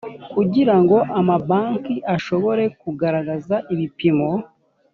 kugira ngo amabanki ashobore kugaragaza ibipimo